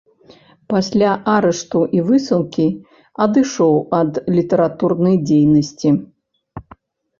Пасля арышту і высылкі адышоў ад літаратурнай дзейнасці.